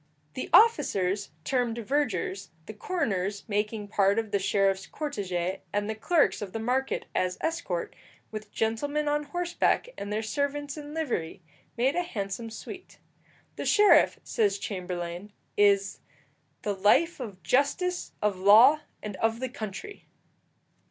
The officers termed vergers, the coroners making part of the sheriff's cortège, and the clerks of the market as escort, with gentlemen on horseback and their servants in livery, made a handsome suite. The sheriff, says Chamberlayne, is the "life of justice, of law, and of the country."